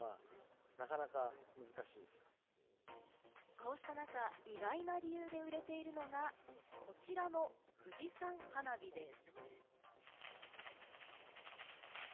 こうした中、意外な理由で売れているのが、こちらの富士山花火です。